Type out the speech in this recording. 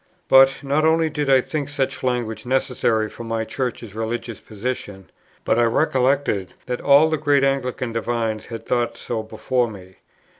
But, not only did I think such language necessary for my Church's religious position, but I recollected that all the great Anglican divines had thought so before me.